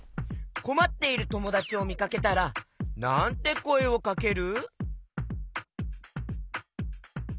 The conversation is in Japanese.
こまっているともだちをみかけたらなんてこえをかける？